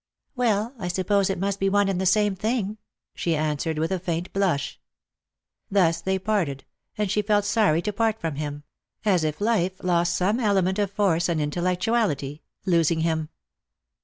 *' Well, I suppose it must be one and the same thing," she answered with a faint blush. ^us they parted, and aha felt sorry to part from him ; as Lost Jbr Love. 247 if life lost some element of force and intellectuality, losing him.